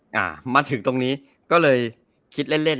อ่ามาถึงตรงนี้ก็เลยคิดเล่นเล่น